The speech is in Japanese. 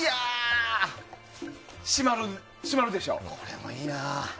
これもいいな。